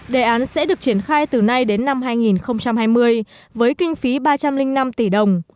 đề án sẽ được triển khai từ nay đến năm hai nghìn hai mươi với kinh phí ba trăm linh năm tỷ đồng